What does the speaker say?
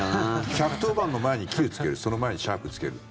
１１０番の前に９つけるその前にシャープつけるって。